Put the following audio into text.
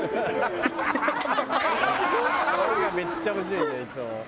「顔がめっちゃ面白いんだよいつも」